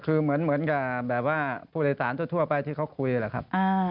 ก็คือเหมือนกับผู้โดยสารทั่วไปที่เขาคุยหรอครับ